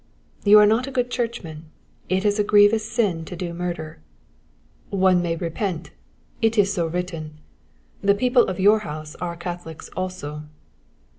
"You are not a good churchman. It is a grievous sin to do murder." "One may repent; it is so written. The people of your house are Catholics also."